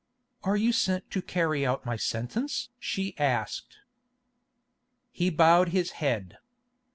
"Are you sent to carry out my sentence?" she asked. He bowed his head.